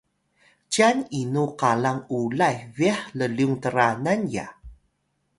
cyan inu qalang Ulay bih llyung Tranan ya?